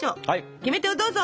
キメテをどうぞ！